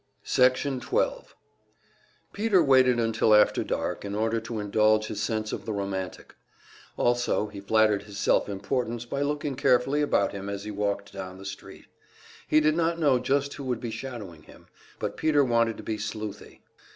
Section 12 Peter waited until after dark, in order to indulge his sense of the romantic; also he flattered his self importance by looking carefully about him as he walked down the street. He did not know just who would be shadowing him, but Peter wanted to be sleuthy.